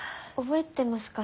覚えてますか？